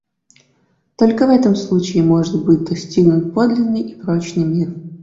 Только в этом случае может быть достигнут подлинный и прочный мир.